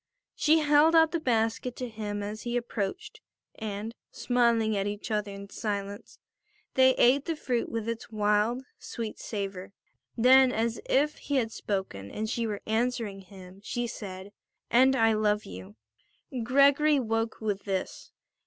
She held out the basket to him as he approached, and, smiling at each other in silence, they ate the fruit with its wild, sweet savour. Then, as if he had spoken and she were answering him, she said: "And I love you." Gregory woke with this.